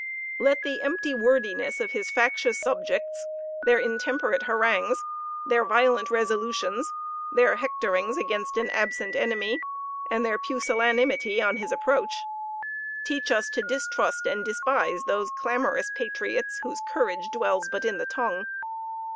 Let the empty wordiness of his factious subjects, their intemperate harangues, their violent "resolutions," their hectorings against an absent enemy, and their pusillanimity on his approach, teach us to distrust and despise those clamorous patriots whose courage dwells but in the tongue.